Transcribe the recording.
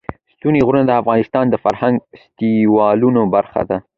ستوني غرونه د افغانستان د فرهنګي فستیوالونو برخه ده.